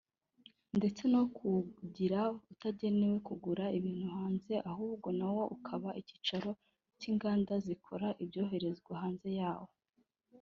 ndetse no kuwugira utagenewe kugura ibintu hanze ahubwo nawo ukaba icyicaro cy’inganda zikora ibyoherezwa hanze yawo